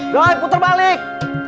doi puter balik